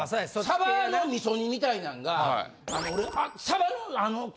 サバの味噌煮みたいなんが俺あの。